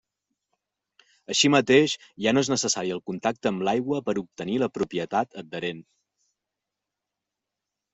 Així mateix, ja no és necessari el contacte amb l'aigua per obtenir la propietat adherent.